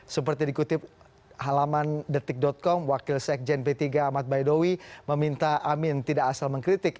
seperti dikutip halaman detik com wakil sekjen p tiga ahmad baidowi meminta amin tidak asal mengkritik